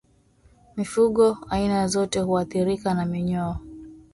Mifugo aina zote huathirika na minyoo